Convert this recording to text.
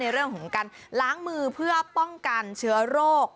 เรื่องของการล้างมือเพื่อป้องกันเชื้อโรค